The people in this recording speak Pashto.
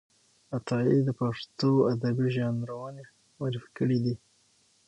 عطايي د پښتو ادبي ژانرونه معرفي کړي دي.